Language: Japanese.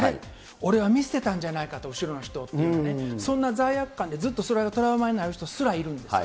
俺は見捨てたんじゃないかと、後ろの人、そんな罪悪感でずっとそれがトラウマになる人すらいるんですね。